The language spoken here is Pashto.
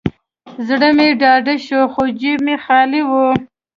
زړه مې ډاډه شو، خو جیب مې خالي و.